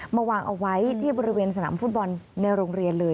มาวางเอาไว้ที่บริเวณสนามฟุตบอลในโรงเรียนเลย